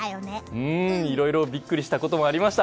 うん、いろいろビックリしたこともありました。